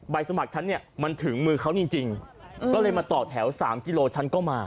สมัครฉันเนี่ยมันถึงมือเขาจริงก็เลยมาต่อแถว๓กิโลฉันก็มา